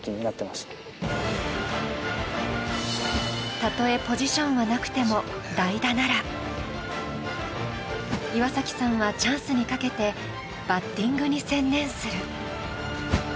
たとえポジションはなくとも代打なら岩崎さんはチャンスにかけてバッティングに専念する。